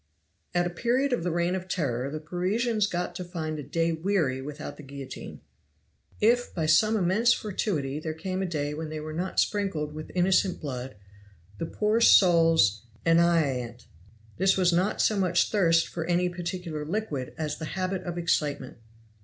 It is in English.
At a period of the Reign of Terror the Parisians got to find a day weary without the guillotine. If by some immense fortuity there came a day when they were not sprinkled with innocent blood the poor souls s'ennuyaient. This was not so much thirst for any particular liquid as the habit of excitement.